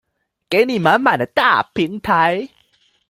給你滿滿的大平台